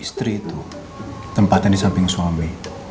istri itu tempatnya di samping suami